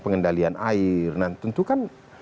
pengendalian air nah tentu kan